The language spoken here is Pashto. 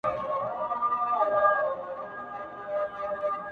o چي بیا يې ونه وینم ومي نه ويني ـ